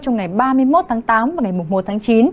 trong ngày ba mươi một tháng tám và ngày một mươi một tháng chín